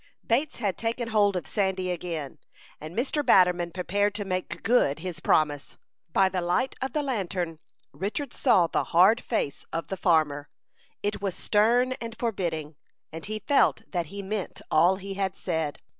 Bates had taken hold of Sandy again, and Mr. Batterman prepared to make good his promise. By the light of the lantern Richard saw the hard face of the farmer. It was stern and forbidding, and he felt that he meant all he had said.